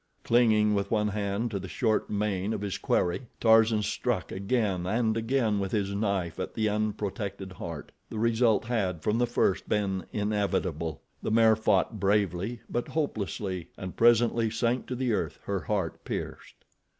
Clinging with one hand to the short mane of his quarry, Tarzan struck again and again with his knife at the unprotected heart. The result had, from the first, been inevitable. The mare fought bravely, but hopelessly, and presently sank to the earth, her heart pierced.